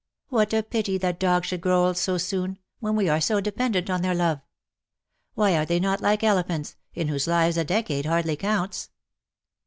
"What a pity that dogs should grow old so soon, when we are so dependent on their love. Why are they not like elephants, in whose lives a decade hardly counts